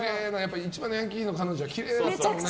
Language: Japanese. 一番ヤンキーの彼女はきれいだもんね。